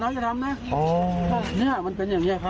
อย่าทำนะ